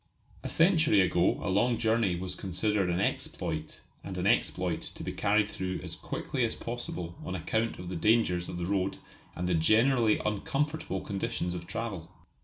A century ago a long journey was considered an exploit, and an exploit to be carried through as quickly as possible on account of the dangers of the road and the generally uncomfortable conditions of travel.